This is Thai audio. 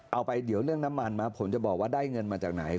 เอาไปเดี๋ยวเรื่องน้ำมันมาผมจะบอกว่าได้เงินมาจากไหน